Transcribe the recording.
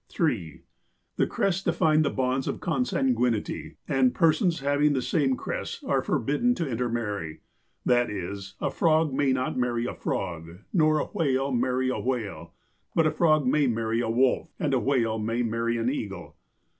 THE TOTEMS AND CLUBS 87 " (3) The crests define the bonds of consanguinity, and per sons having the same crests are forbidden to intermarry ; that is, a frog may not marry a frog ; nor a whale marry a whale ; but a frog may marry a wolf, and a whale may marry an eagle.